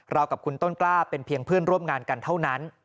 กับคุณต้นกล้าเป็นเพียงเพื่อนร่วมงานกันเท่านั้น